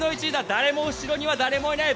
誰も後ろにはいない。